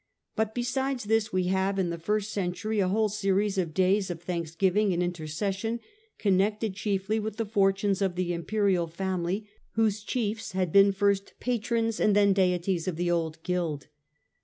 But be sides this we have in the first century a whole series of days of thanksgiving and intercession connected chiefly with the fortunes of the imperial family, whose chiefs had been first patrons and then deities of the old guild.